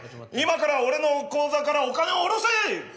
今から俺の口座からお金を下ろせ！